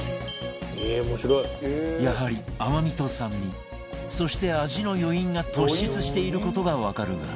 やはり甘味と酸味そして味の余韻が突出している事がわかるが